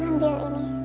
saya beranikan diri